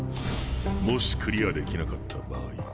もしクリアできなかった場合。